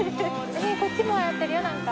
こっちもやってるよなんか。